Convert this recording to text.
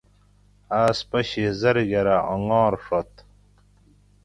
آۤس پشی زرگرہ انگار ڛت